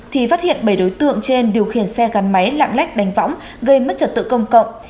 thì phát hiện bảy đối tượng trên điều khiển xe gắn máy lạng lách đánh võng gây mất trật tự công cộng